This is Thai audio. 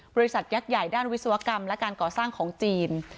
ยักษ์ใหญ่ด้านวิศวกรรมและการก่อสร้างของจีน